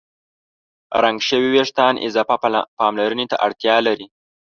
رنګ شوي وېښتيان اضافه پاملرنې ته اړتیا لري.